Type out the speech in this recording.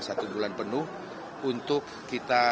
satu bulan penuh untuk kita